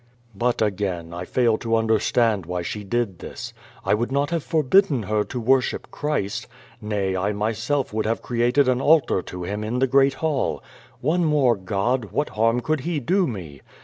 '' But, again, I fail to understand why she did this. I would not have forbidden her to worship Christ. Nay, I myself would have erected an altar to Him in the great hall. One more God — what harm could he do me?